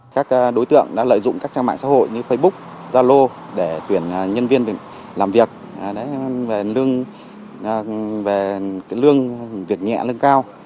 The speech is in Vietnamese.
các đối tượng đã lợi dụng các trang mạng xã hội như facebook zalo để tuyển nhân viên làm việc về lương về lương việc nhẹ lương cao